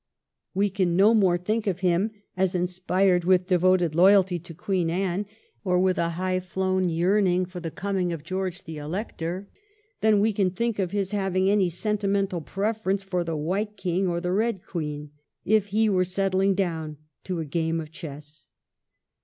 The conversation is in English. We can no more think of him as inspired with devoted loyalty to Queen Anne, or with a high flown yearning for the coming of George the Elector, than we can think of his having any sentimental preference for the white king or the red queen, if he were settling down to a game of chess.